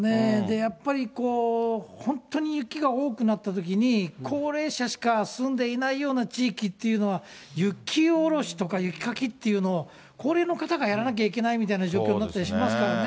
やっぱり本当に雪が多くなったときに、高齢者しか住んでいないような地域というのは、雪下ろしとか雪かきっていうのを、高齢の方がやらなきゃいけないみたいな状況になったりしますからね。